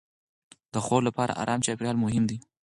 د خوب لپاره ارام چاپېریال مهم دی.